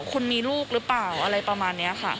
คุณมีลูกหรือเปล่าอะไรประมาณนี้ค่ะ